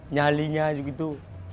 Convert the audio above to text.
nyalinya gitu gitu